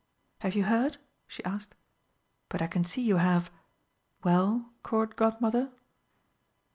"Have you heard?" she asked. "But I can see you have.... Well, Court Godmother?"